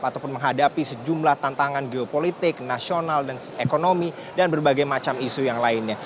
ataupun menghadapi sejumlah tantangan geopolitik nasional dan ekonomi dan berbagai macam isu yang lainnya